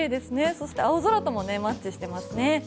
そして青空ともマッチしてますね。